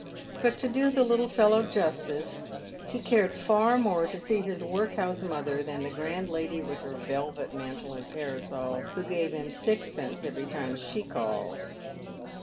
But to do the little fellow justice, he ca ^d far more to see his workhouse mother than the grand lady with her velvet mantle and parasol, who gave him sixpence every time she called.